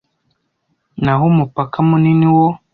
naho umupaka munini wo